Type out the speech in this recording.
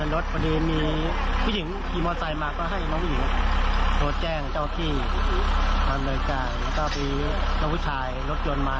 เริ่มเคลื่อนไกลแล้วก็พี่น้องผู้ชายรถยนต์มา